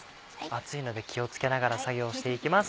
熱いので気を付けながら作業していきます。